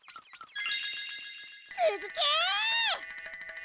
つづけ！